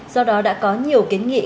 do đó đã có nhiều kiến nghị